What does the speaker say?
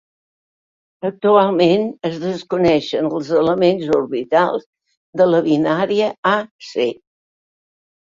Actualment es desconeixen els elements orbitals de la binària A-C.